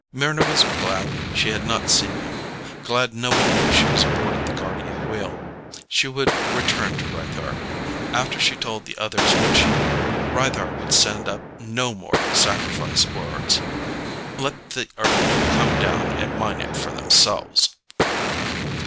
Mryna was glad she had not seen him, glad no one knew she was aboard the Guardian Wheel. She would return to Rythar. After she told the others what she knew, Rythar would send up no more sacrifice ores. Let the Earthmen come down and mine it for themselves!